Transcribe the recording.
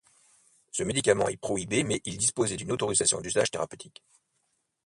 Ce médicament est prohibé, mais il disposait d'une autorisation d'usage thérapeutique.